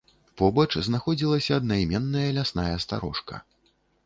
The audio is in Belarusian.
Побач знаходзілася аднайменная лясная старожка.